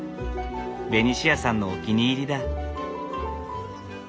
ベニシアさんのお気に入りだ。